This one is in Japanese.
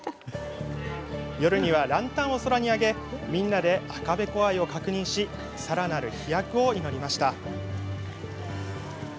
夜にはランタンを空にあげみんなで赤べこ愛を確認しさらなる飛躍を祈りました。